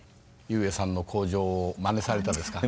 井植さんの口上をまねされたんですか？